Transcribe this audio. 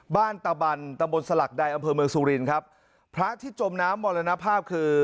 ตะบันตะบนสลักใดอำเภอเมืองสุรินครับพระที่จมน้ำมรณภาพคือ